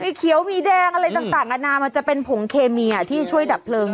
มีเขียวมีแดงอะไรต่างนานามันจะเป็นผงเคมีที่ช่วยดับเพลิง